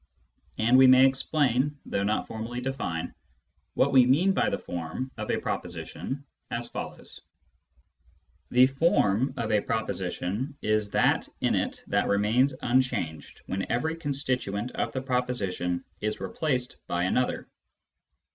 And we may explain (though not formally define) what we mean by the " form " of a proposition as follows :— The " form " of a proposition is that, in it, that remains un changed when every constituent of the proposition is replaced by another.